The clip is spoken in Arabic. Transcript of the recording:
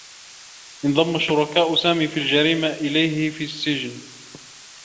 انضمّ شركاء سامي في الجريمة إليه في السّجن.